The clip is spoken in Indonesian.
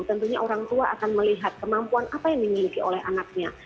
tentunya orang tua akan melihat kemampuan apa yang dimiliki oleh anaknya